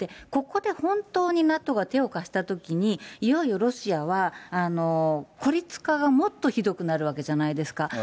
ここで本当にＮＡＴＯが手を貸したときに、いよいよロシアは孤立化がもっとひどくなるわけじゃないですか。